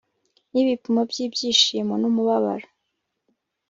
nibipimo byibyishimo numubabaro